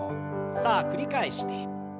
さあ繰り返して。